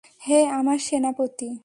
হে আমার সেনাপতি।